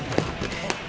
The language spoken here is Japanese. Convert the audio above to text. えっ？